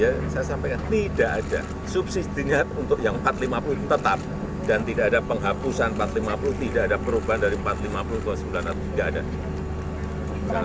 saya sampaikan tidak ada subsidinya untuk yang empat ratus lima puluh tetap dan tidak ada penghapusan empat ratus lima puluh tidak ada perubahan dari empat ratus lima puluh ke sembilan ratus tidak ada